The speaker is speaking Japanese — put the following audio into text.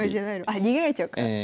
あ逃げられちゃうから。